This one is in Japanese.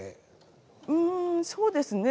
うんそうですね。